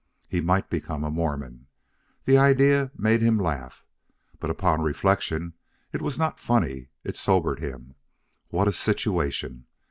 He might become a Mormon. The idea made him laugh. But upon reflection it was not funny; it sobered him. What a situation!